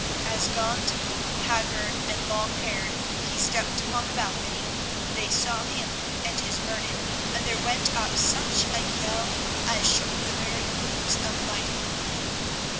As gaunt, haggard, and long haired, he stepped upon the balcony, they saw him and his burden, and there went up such a yell as shook the very roofs of Leyden.